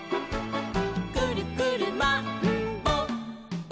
「くるくるマンボウ！」